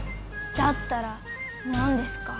だったら何ですか？